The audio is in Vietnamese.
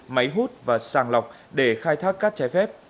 máy hút và sàng lọc để khai thác cát trái phép